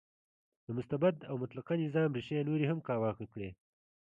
د مستبد او مطلقه نظام ریښې نورې هم کاواکه کړې.